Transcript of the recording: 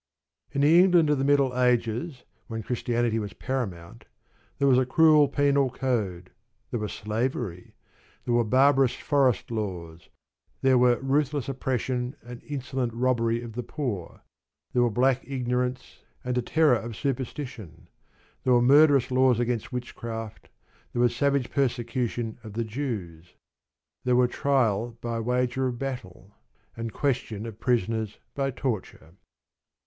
In the England of the Middle Ages, when Christianity was paramount, there was a cruel penal code, there was slavery, there were barbarous forest laws, there were ruthless oppression and insolent robbery of the poor, there were black ignorance and a terror of superstition, there were murderous laws against witchcraft, there was savage persecution of the Jews, there were "trial by wager of battle," and "question" of prisoners by torture.